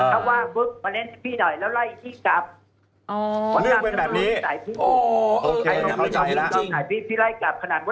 ถ้าว่างปุ๊บมาเล่นให้พี่หน่อยแล้วไล่พี่กลับ